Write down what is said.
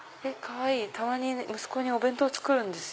たまに息子にお弁当作るんです。